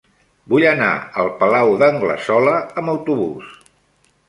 Vull anar al Palau d'Anglesola amb autobús.